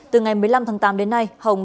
từ ngày một mươi năm tháng tám đến nay hồng